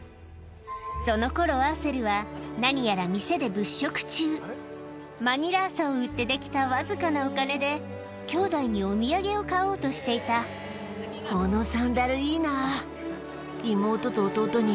その頃アーセルは何やら店で物色中マニラ麻を売ってできたわずかなお金できょうだいにお土産を買おうとしていたあぁ。